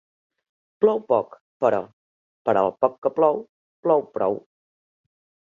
Plou poc, però, per al poc que plou, plou prou.